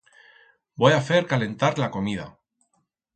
Voi a fer calentar la comida.